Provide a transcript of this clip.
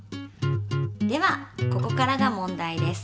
ではここからが問題です。